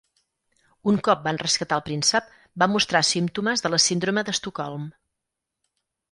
Un cop van rescatar el príncep, va mostrar símptomes de la síndrome d'Estocolm.